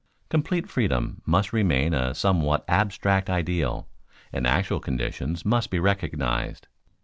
_ Complete freedom must remain a somewhat abstract ideal, and actual conditions must be recognized.